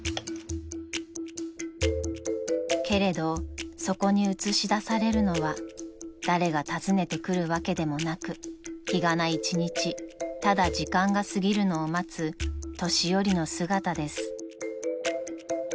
［けれどそこに映し出されるのは誰が訪ねてくるわけでもなく日がな一日ただ時間が過ぎるのを待つ年寄りの姿です］